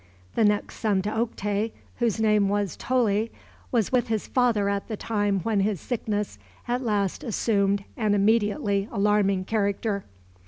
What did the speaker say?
The next son to Oktay, whose name was Toley, was with his father at the time when his sickness at last assumed an immediately alarming character.